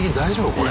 これ。